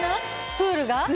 プールが？